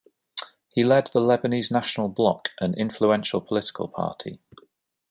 He led the Lebanese National Bloc, an influential political party.